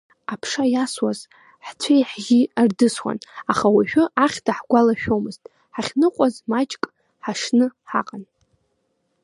Аԥша иасуаз ҳцәеи-ҳжьи ардысуан, аха уажәы ахьҭа ҳгәалашәомызт, ҳахьныҟәаз маҷк ҳашны ҳаҟан.